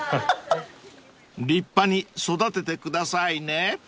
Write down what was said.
［立派に育ててくださいね］